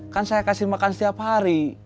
kan saya kasih makan setiap hari